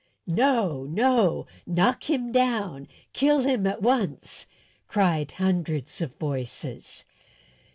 "No, no; knock him down! Kill him at once!" cried hundreds of voices.